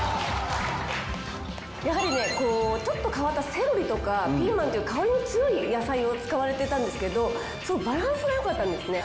やはりねちょっと変わったセロリとかピーマンっていう香りの強い野菜を使われてたんですけどすごいバランスがよかったんですね。